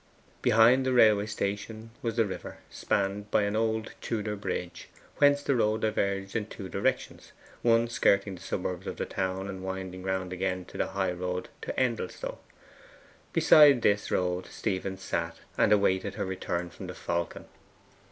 Behind the railway station was the river, spanned by an old Tudor bridge, whence the road diverged in two directions, one skirting the suburbs of the town, and winding round again into the high road to Endelstow. Beside this road Stephen sat, and awaited her return from the Falcon.